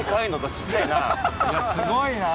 すごいなぁ。